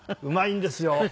うまいんですよ。